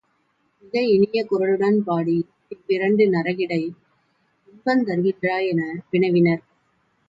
மிக இனிய குரலுடன் பாடி இவ்விருண்ட நரகிடை இன்பந் தருகின்றாய்? என வினவினர்.